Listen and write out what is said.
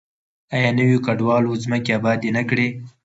آیا نویو کډوالو ځمکې ابادې نه کړې؟